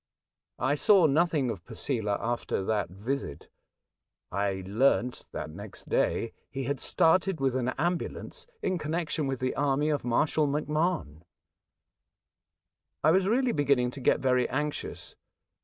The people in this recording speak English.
I saw nothing of Posela after that visit. I learnt that next day he had started with an ambulance in connexion with the army of Marshal MacMahon. I was really beginning to get very anxious.